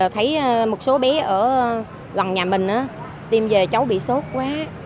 thấy một số bé ở gần nhà mình tiêm về cháu bị sốt quá